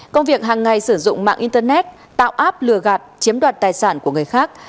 công việc hàng ngày sử dụng mạng internet tạo app lừa gạt chiếm đoạt tài sản của người khác